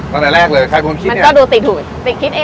ประกาศรายชื่อพศ๒๕๖๑